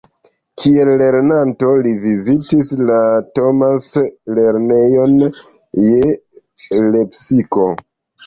Kiel lernanto li vizitis la Thomas-lernejon je Lepsiko.